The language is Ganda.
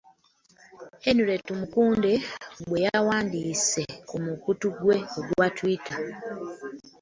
Henry Tumukunde bwe yawandiise ku mukutu gwe ogwa Twitter